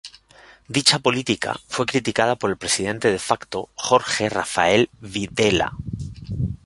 Dicha política fue criticada por el presidente de facto Jorge Rafael Videla.